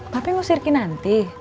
pak peh ngusir ke nanti